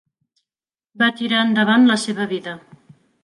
Va tirar endavant la seva vida.